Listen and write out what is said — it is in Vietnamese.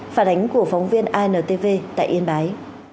phả đánh của phóng viên intv tại yên bái